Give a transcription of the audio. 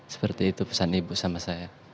seperti itu pesan ibu sama saya